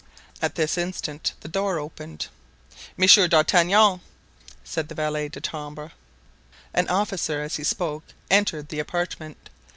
At this instant the door opened. "Monsieur d'Artagnan," said the valet de chambre. An officer, as he spoke, entered the apartment.